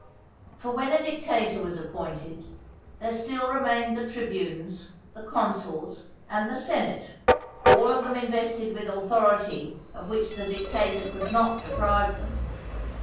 For when a dictator was appointed there still remained the tribunes, the consuls, and the senate, all of them invested with authority of which the dictator could not deprive them.